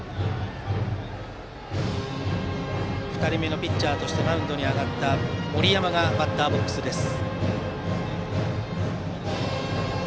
２人目のピッチャーとしてマウンドに上がった森山がバッターボックスです。